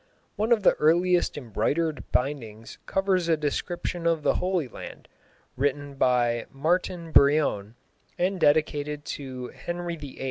One of the earliest embroidered bindings covers a description of the Holy Land, written by Martin Brion, and dedicated to Henry VIII.